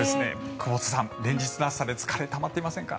久保田さん、連日の暑さで疲れたまってませんか？